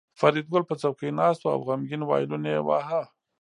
فریدګل په څوکۍ ناست و او غمګین وایلون یې واهه